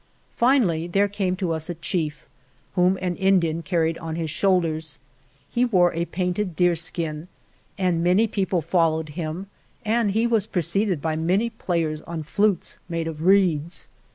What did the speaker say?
Finally there came to us a chief, whom an Indian carried on his shoulders. He wore a painted deerskin, and many people followed him, and he was preceded by many players on flutes made of reeds.